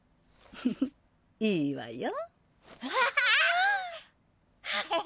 フフいいわよ。